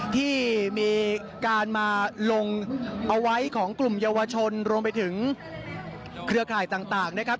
ที่มีการมาลงเอาไว้ของกลุ่มเยาวชนรวมไปถึงเครือข่ายต่างนะครับ